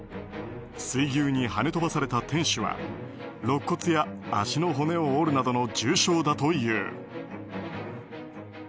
水牛にはね飛ばされた店主は肋骨や足の骨を折るなどの重傷だという。